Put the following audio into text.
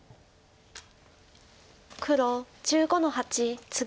黒１５の八ツギ。